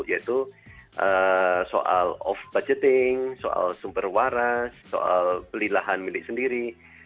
yaitu soal off budgeting soal sumber waras soal beli lahan milik sendiri